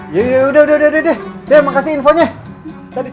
ya udah udah udah udah udah udah makasih infonya